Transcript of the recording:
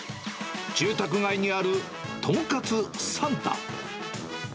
住宅街にあるとんかつ三太。